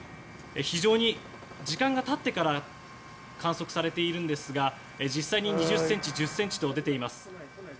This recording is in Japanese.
非常に時間が経ってから観測されていますが実際に１０ｃｍ、２０ｃｍと出ています。